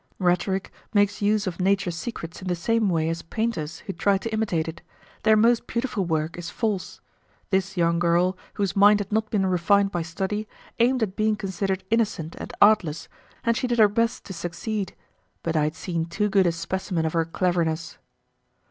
Rhetoric makes use of nature's secrets in the same way as painters who try to imitate it: their most beautiful work is false. This young girl, whose mind had not been refined by study, aimed at being considered innocent and artless, and she did her best to succeed, but I had seen too good a specimen of her cleverness.